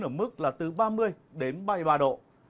ở mức là từ ba mươi đến ba mươi ba độ